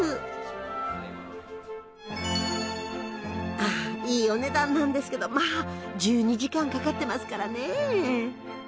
あいいお値段なんですけどまあ１２時間かかってますからね。